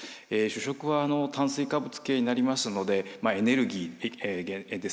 主食は炭水化物系になりますのでエネルギー源になります。